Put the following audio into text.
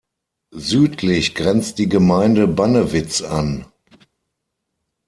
Südlich grenzt die Gemeinde Bannewitz an.